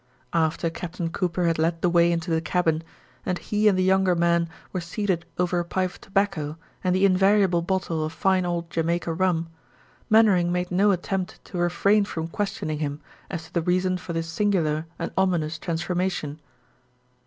After Captain Cooper had led the way into the cabin and he and the younger man were seated over a pipe of tobacco and the invariable bottle of fine old Jamaica rum, Mainwaring made no attempt to refrain from questioning him as to the reason for this singular and ominous transformation.